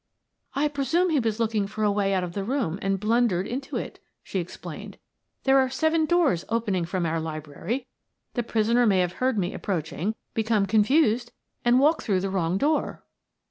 "I presume he was looking for a way out of the room and blundered into it," she explained. "There are seven doors opening from our library; the prisoner may have heard me approaching, become confused, and walked through the wrong door."